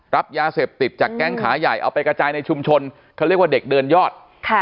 รับยาเสพติดจากแก๊งขาใหญ่เอาไปกระจายในชุมชนเขาเรียกว่าเด็กเดินยอด